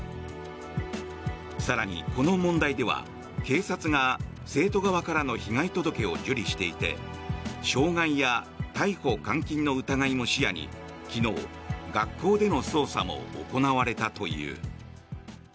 更に、この問題では警察が生徒側からの被害届を受理していて傷害や逮捕・監禁の疑いも視野に昨日、学校での捜査も行われたという。